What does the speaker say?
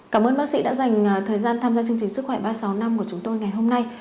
cảm ơn bác sĩ đã dành thời gian tham gia chương trình sức khỏe ba trăm sáu mươi năm của chúng tôi ngày hôm nay